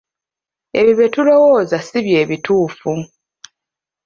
Ebyo bye tulowooza ssi bye bituufu.